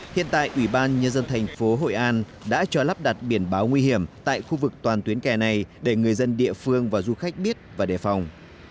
hiện tại ủy ban nhân dân thành phố hội an đã cho lắp đặt biển báo nguy hiểm tại khu vực toàn tuyến kè này để người dân địa phương và du khách biết và đề phòng